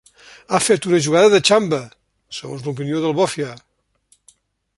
Ha fet una jugada de xamba, segons l’opinió del bòfia.